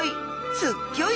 すっギョい